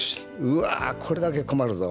うわこれだけ困るぞ！